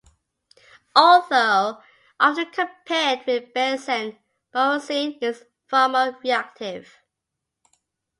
Although often compared with benzene, borazine is far more reactive.